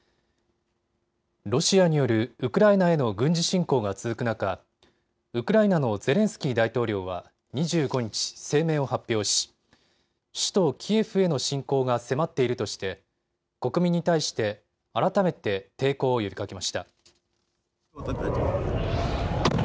ロシアによるウクライナへの軍事侵攻が続く中、ウクライナのゼレンスキー大統領は２５日、声明を発表し首都キエフへの侵攻が迫っているとして国民に対して、改めて抵抗を呼びかけました。